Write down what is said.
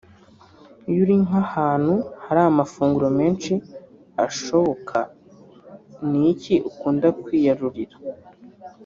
Iyo uri nk’ahantu hari amafunguro menshi ashoboka ni iki ukunda kwiyarurira